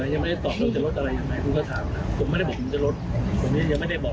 ยังไม่ได้บอก